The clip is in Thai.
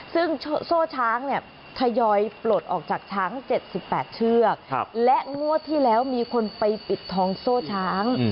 ซึ่งโซ่ช้างเนี่ยทยอยปลดออกจากช้าง๗๘เชือกและงวดที่แล้วมีคนไปปิดทองโซ่ช้าง